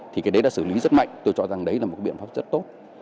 thì cái đấy đã xử lý rất mạnh tôi chọn rằng đấy là một cái biện pháp rất tốt